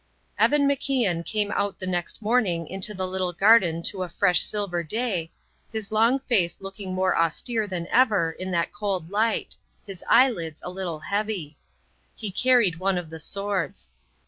Evan MacIan came out the next morning into the little garden to a fresh silver day, his long face looking more austere than ever in that cold light, his eyelids a little heavy. He carried one of the swords.